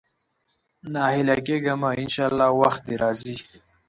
ناهيلی کېږه مه، ان شاءالله وخت دې راځي.